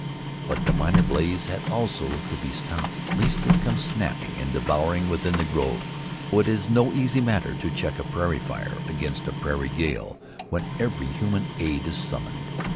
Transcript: But the minor blaze had also to be stopped lest it come snapping and devouring within the grove. It is no easy matter to check a prairie fire against a prairie gale when every human aid is summoned.